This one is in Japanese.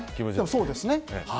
そうですね。